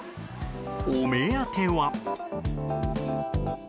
お目当ては。